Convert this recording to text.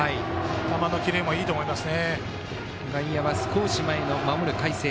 球のキレもいいと思います。